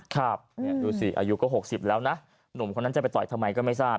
ครับดูสิอายุก็๖๐แล้วนะหนุ่มคนนั้นจะไปต่อยทำไมก็ไม่ทราบ